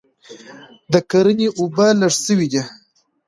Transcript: د کرني اوبه لږ سوي دي